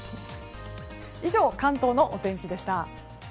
以上、関東のお天気でした。